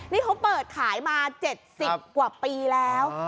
นี่เขาเปิดขายมา๗๐กว่าปีแล้ว